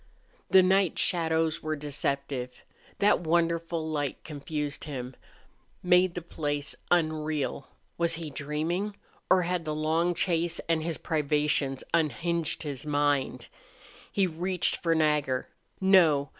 The night shadows were deceptive. That wonderful light confused him, made the place unreal. Was he dreaming? Or had the long chase and his privations unhinged his mind? He reached for Nagger. No!